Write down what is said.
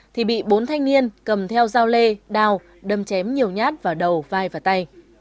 thì bị bốn thanh niên cầm theo dao lê đào đâm chém nhiều nhát vào đầu vai và tay